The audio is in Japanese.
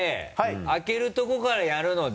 開けるとこからやるので。